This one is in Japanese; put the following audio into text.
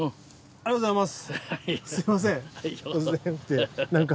ありがとうございます！